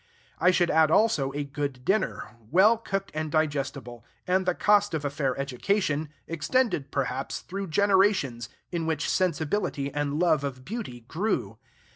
I should add also a good dinner, well cooked and digestible; and the cost of a fair education, extended, perhaps, through generations in which sensibility and love of beauty grew.